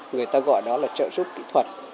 người ta gọi đó là trợ giúp kỹ thuật